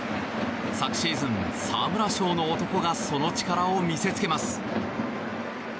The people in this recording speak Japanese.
昨シーズン、沢村賞の男がその力を見せつけます。